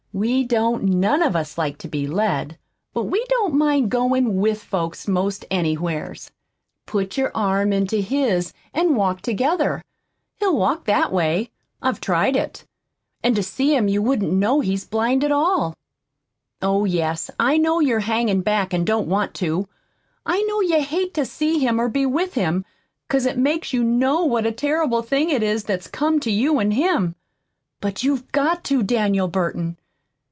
We don't none of us like to be led, but we don't mind goin' WITH folks 'most anywheres. Put your arm into his an' walk together. He'll walk that way. I've tried it. An' to see him you wouldn't know he was blind at all. Oh, yes, I know you're hangin' back an' don't want to. I know you hate to see him or be with him, 'cause it makes you KNOW what a terrible thing it is that's come to you an' him. But you've got to, Daniel Burton.